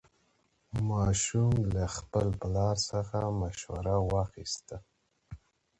ماشوم له خپل پلار څخه مشوره واخیسته